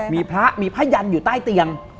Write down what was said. มีพระมีพระยันอยู่ใต้เตียง